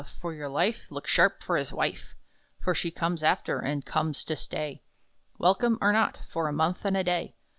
for your life Look sharp for his wife! "For she comes after, and comes to stay Welcome or not for a month and a day!